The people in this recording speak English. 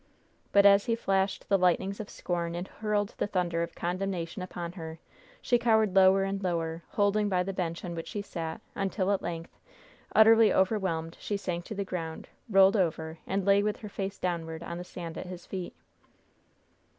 But as he flashed the lightnings of scorn and hurled the thunder of condemnation upon her, she cowered lower and lower, holding by the bench on which she sat, until at length, utterly overwhelmed, she sank to the ground, rolled over, and lay with her face downward on the sand at his feet.